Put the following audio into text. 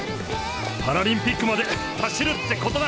パラリンピックまで走るってことだ！